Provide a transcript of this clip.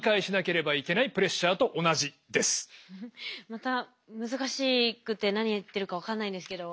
また難しくて何言ってるか分かんないんですけど。